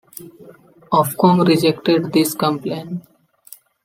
Ofcom rejected this complaint.